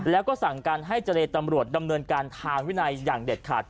แล้วก็สั่งการให้เจรตำรวจดำเนินการทางวินัยอย่างเด็ดขาด